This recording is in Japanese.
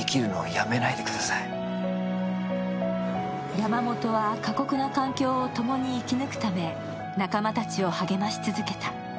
山本は過酷な環境をともに生き抜くため、仲間たちを励まし続けた。